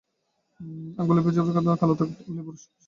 আঙুলের ভাঁজের কালো দাগ দূর করতে লেবুর খোসা ঘষে নিতে পারেন।